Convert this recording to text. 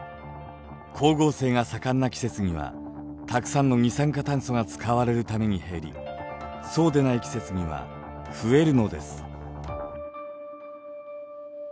光合成が盛んな季節にはたくさんの二酸化炭素が使われるために減りそうでない季節には増えるのです。